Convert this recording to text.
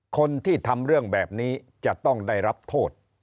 คนที่ทำเรื่องแบบนี้จะต้องได้รับโทษ